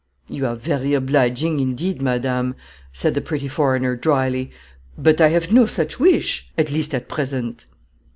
"You are very obliging, indeed, madame," said the pretty foreigner, drily, "but I have no such wish, at least at present."